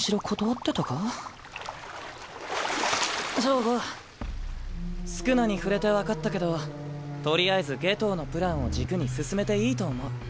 分をわきまえろ痴漏瑚宿儺に触れて分かったけどとりあえず夏油のプランを軸に進めていいと思う。